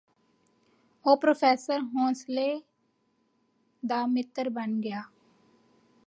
ਉਹ professor Henslow ਦਾ ਮਿੱਤਰ ਬਣ ਗਿਆ